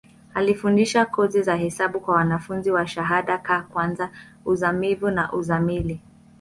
Alifundisha kozi za hesabu kwa wanafunzi wa shahada ka kwanza, uzamivu na uzamili.